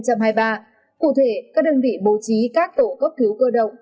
cụ thể các đơn vị bố trí các tổ cấp cứu cơ động